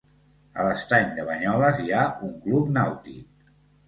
A l'estany de Banyoles hi ha un club nàutic.